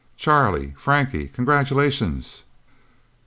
"Charlie Frankie congratulations!"